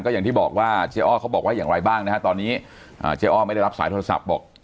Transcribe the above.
อย่างที่บอกว่าเจ๊อ้อเขาบอกว่าอย่างไรบ้างนะฮะตอนนี้เจ๊อ้อไม่ได้รับสายโทรศัพท์บอก